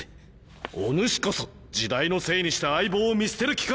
お主こそ時代のせいにして相棒を見捨てる気か！